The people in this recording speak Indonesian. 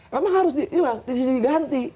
memang harus di ganti